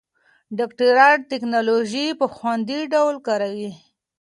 ډاکټران ټېکنالوژي په خوندي ډول کاروي.